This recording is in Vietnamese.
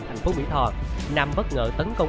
thành phố mỹ tho nam bất ngờ tấn công